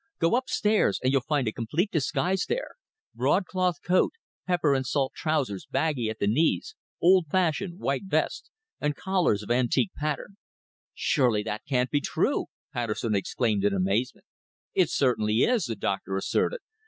Go upstairs and you'll find a complete disguise there broadcloth coat, pepper and salt trousers baggy at the knees, old fashioned white vest, and collars of antique pattern." "Surely that can't be true!" Patterson exclaimed in amazement. "It certainly is," the doctor asserted.